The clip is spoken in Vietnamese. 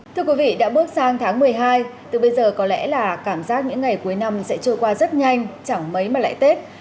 thưa quý vị đã bước sang tháng một mươi hai từ bây giờ có lẽ là cảm giác những ngày cuối năm sẽ trôi qua rất nhanh chẳng mấy mà lại tết